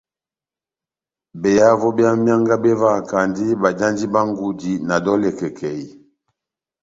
Behavo bia mianga bevahakandi bajandi bá ngudi na dolè kèkèi.